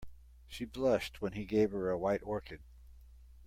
She blushed when he gave her a white orchid.